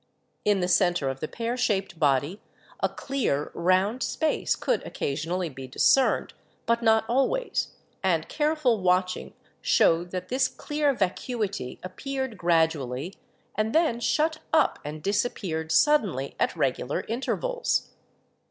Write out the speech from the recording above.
In the center of the pear shaped body a clear, round space could occasionally be discerned, but not always, and careful watching showed that this clear vacuity appeared gradually and then shut up and disappeared suddenly at regular intervals.